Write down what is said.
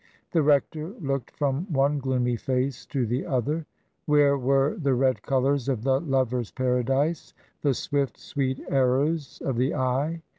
The rector looked from one gloomy face to the other. Where were the red colours of the lover's paradise, the swift, sweet arrows of the eye